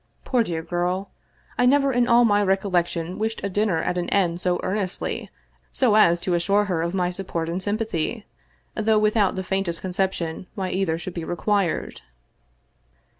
Poor dear girl! I never in all my recollection wished a dinner at an end so earnestly so as to assure her of my support and sympathy, though without the faintest conception why either should be required.